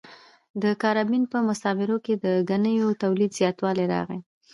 د کارابین په مستعمرو کې د ګنیو تولید زیاتوالی راغی.